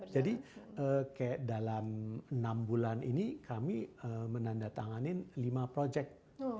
jadi dalam enam bulan ini kami menandatanganin lima project